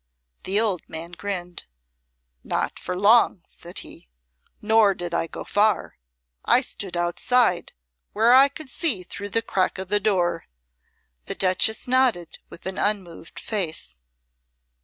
The old man grinned. "Not for long," said he, "nor did I go far. I stood outside, where I could see through the crack o' the door." The Duchess nodded with an unmoved face.